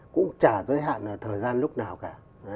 cũng trả giới hạn ở thời gian lúc nào cả